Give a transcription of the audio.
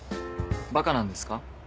バカなんですか？